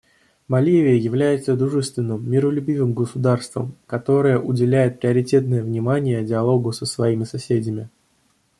Боливия является дружественным, миролюбивым государством, которое уделяет приоритетное внимание диалогу со своими соседями.